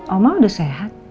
oma udah sehat